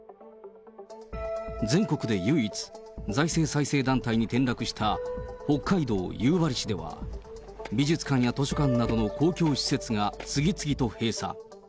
全国で唯一、財政再生団体に転落した北海道夕張市では、美術館や図書館などの公共施設が次々と閉鎖。